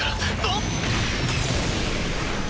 あっ！